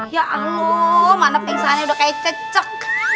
ya allah mana pengsaannya udah kayak cecek